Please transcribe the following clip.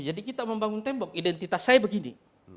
jadi kita membangun tembok identitas saya begini